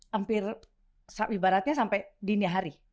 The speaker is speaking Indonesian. hampir ibaratnya sampai dini hari